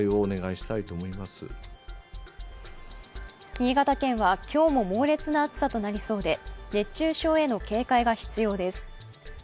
新潟県は今日も猛烈な暑さとなりそうで熱中症への警戒が必要です。